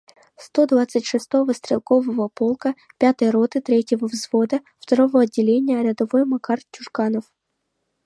— Сто двадцать шестого стрелкового полка, пятой роты, третьего взвода, второго отделения рядовой Макар Чужганов!